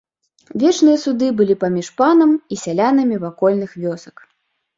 Вечныя суды былі паміж панам і сялянамі вакольных вёсак.